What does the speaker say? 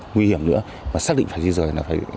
nguy hiểm nữa mà xác định phải đi rời